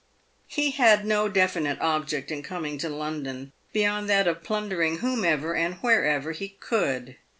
He had no definite object in coming to London beyond that of plun dering whomever and wherever he could.